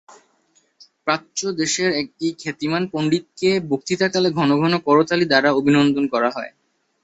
প্রাচ্যদেশের এই খ্যাতিমান পণ্ডিতকে বক্তৃতাকালে ঘন ঘন করতালি দ্বারা অভিনন্দিত করা হয়।